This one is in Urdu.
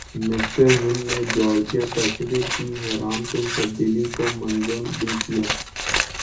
مِسٹر ہین نے جارجیا پیسیفک کی حیرانکن تبدیلی کو منظم بھِی کِیا